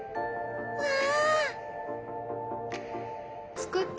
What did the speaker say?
わあ！